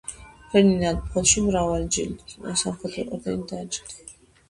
ფერდინან ფოში მრავალი სამხედრო ორდენით დაჯილდოვდა.